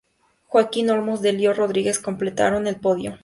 Joaquín Olmos y Delio Rodríguez completaron el podio.